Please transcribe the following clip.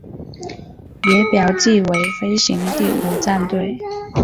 也表记为飞行第五战队。